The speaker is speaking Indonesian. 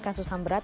kasus ham berat